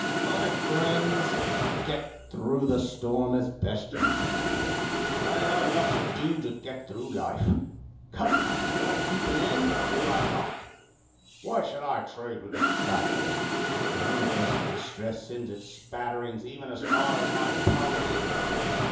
My friends, get through the storm as best you can. I have enough to do to get through life. Come now, do I keep an inn, or do I not? Why should I trade with these travellers? The universal distress sends its spatterings even as far as my poverty.